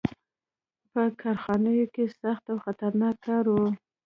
• په کارخانو کې سخت او خطرناک کار و.